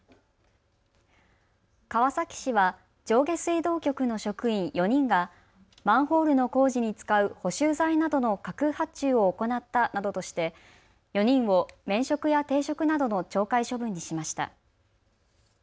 川崎市は上下水道局の職員４人がマンホールの工事に使う補修材などの架空発注を行ったなどとして４人を免職や停職などの懲戒処分にしました。